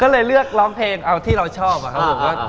ก็เลยเลือกร้องเพลงเอาที่เราชอบอะครับผม